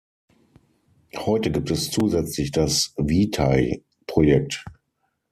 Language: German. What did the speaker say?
Heute gibt es zusätzlich das Witaj-Projekt.